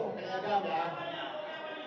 kita akan berharap